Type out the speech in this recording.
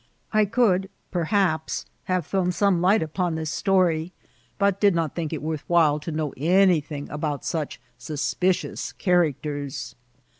I could perhaps have thrown some light upon this story, but did not think it worth while to know anything about such suspicious characters.